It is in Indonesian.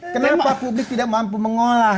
kenapa publik tidak mampu mengolah